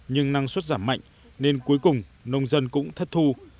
nhưng năng suất giảm mạnh nên cuối cùng nông dân cũng thất thu